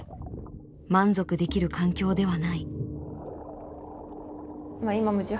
満足できる環境ではない。